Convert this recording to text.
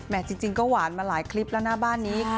จริงก็หวานมาหลายคลิปแล้วหน้าบ้านนี้